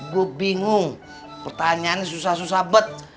gua bingung pertanyaannya susah susah bet